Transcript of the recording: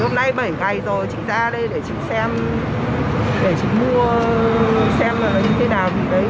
hôm nay bảy ngày rồi chị ra đây để chị xem để chị mua xem là như thế nào đấy